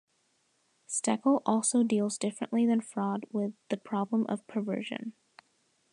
Stekel also deals differently than Freud with the problem of perversion.